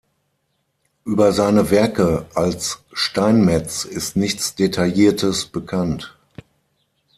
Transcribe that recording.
Über seine Werke als Steinmetz ist nichts detailliertes bekannt.